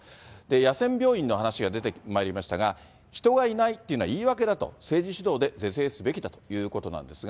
野戦病院の話が出てまいりましたが、人がいないというのはいいわけだと、政治主導で是正すべきだということなんですが。